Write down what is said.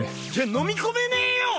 飲み込めねえよ！